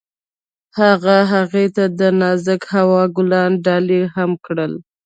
هغه هغې ته د نازک هوا ګلان ډالۍ هم کړل.